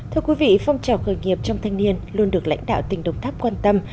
thưa quý vị phong trào khởi nghiệp trong thanh niên luôn được lãnh đạo tỉnh đồng tháp quan tâm